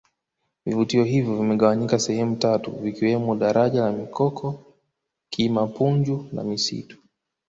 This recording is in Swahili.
vivutio hivyo vimegawanyika sehemu tatu vikiwemo daraja la mikoko kima punju na misitu